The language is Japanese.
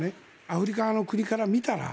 アフリカの国から見たら。